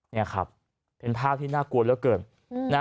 นี่ครับเป็นภาพที่น่ากลัวเหลือเกิน